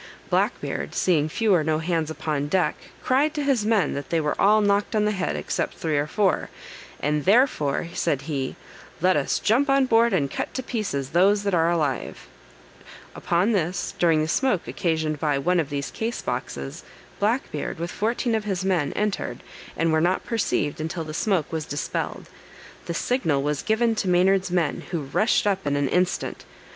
Black Beard seeing few or no hands upon deck, cried to his men that they were all knocked on the head except three or four; "and therefore," said he, "let us jump on board, and cut to pieces those that are alive." [Illustration: Death of Black Beard.] Upon this, during the smoke occasioned by one of these case boxes, Black Beard, with fourteen of his men, entered, and were not perceived until the smoke was dispelled. The signal was given to Maynard's men, who rushed up in an instant.